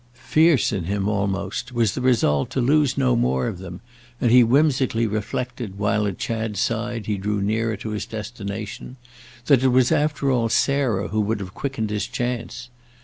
Fierce in him almost was the resolve to lose no more of them, and he whimsically reflected, while at Chad's side he drew nearer to his destination, that it was after all Sarah who would have quickened his chance.